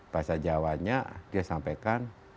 bahasa jawanya dia sampaikan